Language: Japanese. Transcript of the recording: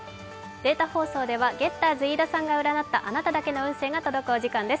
データ放送ではゲッターズ飯田さんが占ったあなただけの運勢が届くお時間です。